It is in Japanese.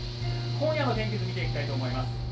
今夜の天気図見ていきたいと思います。